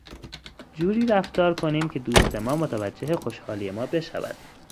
جوری رفتار کنیم که دوست ما متوجه خوشحالی ما بشود